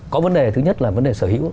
có vấn đề thứ nhất là vấn đề sở hữu